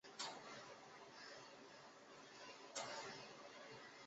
条约的名称来自缔约的地点圣伊德方索宫。